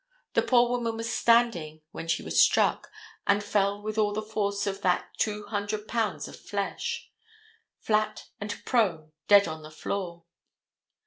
The poor woman was standing when she was struck, and fell with all the force of that two hundred pounds of flesh, flat and prone dead on the floor.